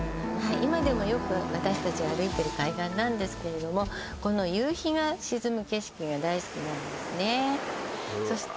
今でもよく私達歩いてる海岸なんですけれどもこの夕日が沈む景色が大好きなんですね